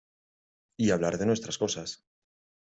y hablar de nuestras cosas.